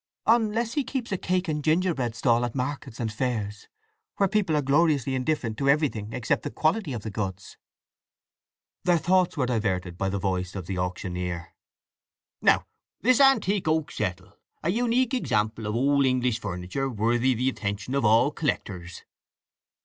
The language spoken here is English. "Unless he keeps a cake and gingerbread stall at markets and fairs, where people are gloriously indifferent to everything except the quality of the goods." Their thoughts were diverted by the voice of the auctioneer: "Now this antique oak settle—a unique example of old English furniture, worthy the attention of all collectors!"